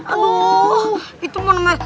aduh itu mau nongol